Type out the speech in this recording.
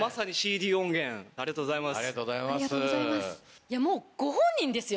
ありがとうございます。